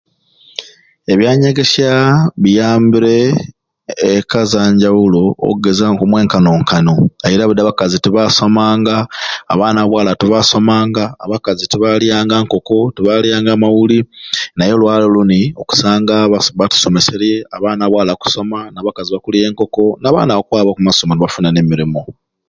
Ebyanyegesya biyambire ekka ezanjawulo okugeza omwenkanonkano eyire budi abakazi tebasomanga abaana ba bwala tebasomanga abakazi tebapyanga nkoko tebalysnga mawuli naye olwalero luni okusanga bakusomeserye abaana ba bwala bakusoma nabakazi bakulya enkoko n'abaana bakwaba oku masomera ne bafuna ne mirumu